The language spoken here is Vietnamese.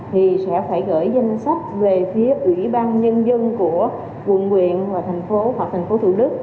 thì sẽ phải gửi danh sách về phía ủy ban nhân dân của quận quyện và thành phố hoặc thành phố thủ đức